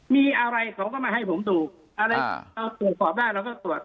มีอะไรเขาก็มาให้ผมดูถ้ามันถูกคอบด้านเราก็ตรวจ